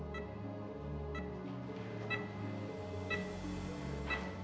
pak orangnya udah berjalan pilih